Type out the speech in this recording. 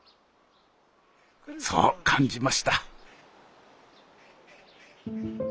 そう感じました。